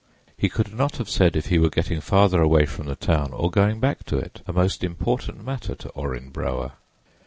He could not have said if he were getting farther away from the town or going back to it—a most important matter to Orrin Brower.